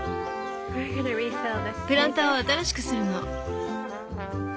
プランターを新しくするの。